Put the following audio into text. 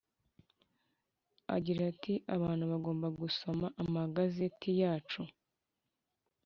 agira ati abantu bagomba gusoma amagazeti yacu